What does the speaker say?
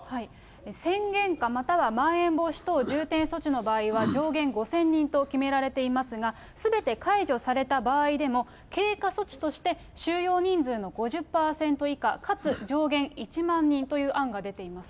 宣言下、またはまん延防止等重点措置の場合は、上限５０００人と決められていますが、すべて解除された場合でも、経過措置として収容人数の５０％以下、かつ上限１万人という案が出ています。